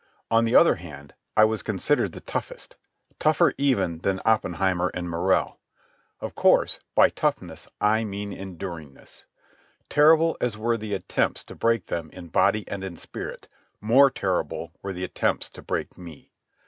On the other hand I was considered the toughest—tougher even than Oppenheimer and Morrell. Of course by toughness I mean enduringness. Terrible as were the attempts to break them in body and in spirit, more terrible were the attempts to break me.